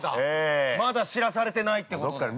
◆まだ、知らされてないってことかな。